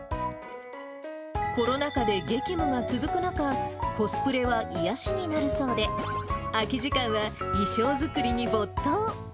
コロナ禍で激務が続く中、コスプレは癒やしになるそうで、空き時間は衣装作りに没頭。